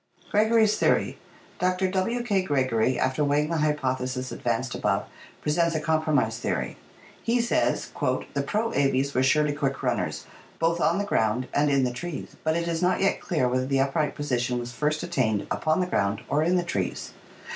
Gregory's Theory.— Dr. W. K. Gregory, after weighing the hy potheses advanced above, presents a compromise theory. He says: "The pro Aves were surely quick runners, both on the ground and in the trees, but it is not yet clear whether the upright position was first attained upon the ground or in the trees.